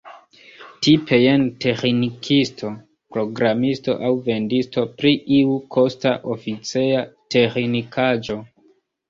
Tipe jen teĥnikisto, programisto, aŭ vendisto pri iu kosta oficeja teĥnikaĵo.